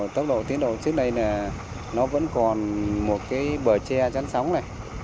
tốc độ tiến đầu trước đây là nó vẫn còn một cái bờ tre chắn sóng này